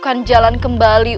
aku menemukan jalan kembali